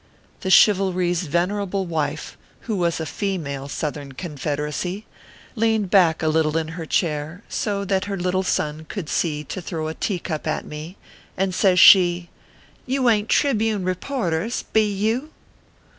The Chivalry s venerable wife, who was a female Southern Confederacy, leaned back a little in her 16* 370 ORPHEUS C. KERR PAPERS. chair, so that her little son could see to throw a tea cup at me, and says she :" You ain t Tribune reporters be you